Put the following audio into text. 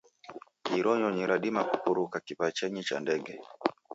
Iro nyonyi radima kupuruka kiwachenyi cha ndege.